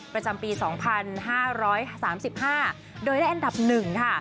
ประจำปี๒๕๓๕โดยได้แอนดับหนึ่งค่ะ